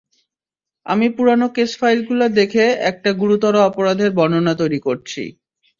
আমি পুরানো কেস-ফাইলগুলো দেখে একটা গুরুতর অপরাধের বর্ণনা তৈরি করছি।